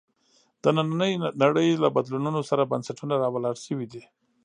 د نننۍ نړۍ له بدلونونو سره بنسټونه راولاړ شوي دي.